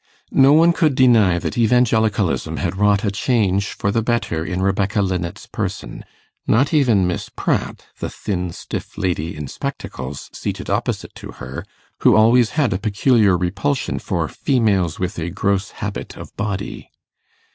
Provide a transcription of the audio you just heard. No one could deny that Evangelicalism had wrought a change for the better in Rebecca Linnet's person not even Miss Pratt, the thin stiff lady in spectacles, seated opposite to her, who always had a peculiar repulsion for 'females with a gross habit of body'.